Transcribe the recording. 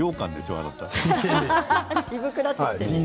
あなた。